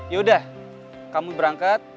yaudah kamu berangkat